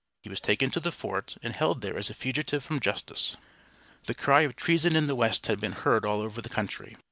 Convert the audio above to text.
He was taken to the fort, and held there as a fugitive from justice. The cry of "Treason in the West" had been heard all over the country.